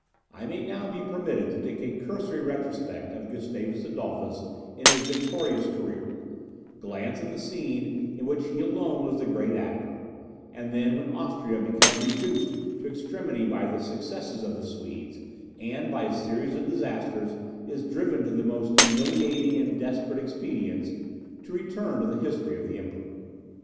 I may now be permitted to take a cursory retrospect of Gustavus Adolphus in his victorious career; glance at the scene in which he alone was the great actor; and then, when Austria becomes reduced to extremity by the successes of the Swedes, and by a series of disasters is driven to the most humiliating and desperate expedients, to return to the history of the Emperor.